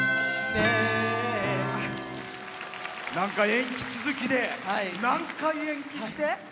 延期続きで何回延期して？